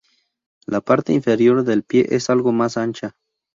La parte inferior del pie es algo más ancha.